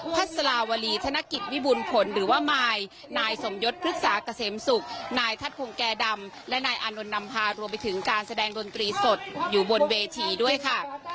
พัศลาวรีธนกิจวิบุญผลหรือว่ามายนายสมยศพฤษาเกษมศุกร์